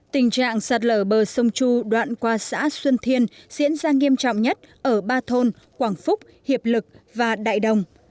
tình trạng sạt lở bờ sông chu đoạn qua xã xuân thiên diễn ra nghiêm trọng nhất ở ba thôn quảng phúc hiệp lực và đại đồng